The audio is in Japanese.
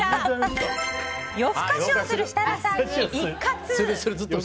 夜更かしをする設楽さんに一喝！